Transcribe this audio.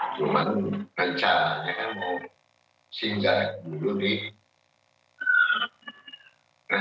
saya akan melakukan perjalanan ke depok